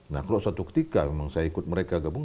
nah kalau suatu ketika memang saya ikut mereka gabung